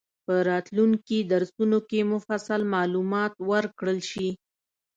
په راتلونکي درسونو کې مفصل معلومات ورکړل شي.